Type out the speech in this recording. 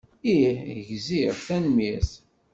Ih, gziɣ, tanemmirt.